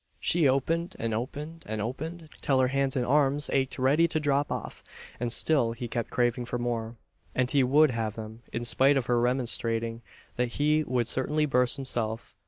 She opened, and opened, and opened, till her hands and arms ached ready to drop off, and still he kept craving for more; and he would have them, in spite of her remonstrating that he would certainly burst himself.